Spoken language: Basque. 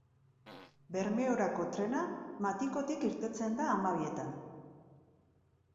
Bermeorako trena Matikotik irtetzen da hamabietan.